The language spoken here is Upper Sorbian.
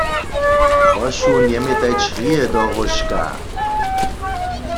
Prošu njemjetaj črije do róžka.